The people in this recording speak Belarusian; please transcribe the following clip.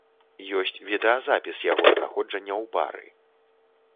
Ёсць відэазапіс яго знаходжання ў бары.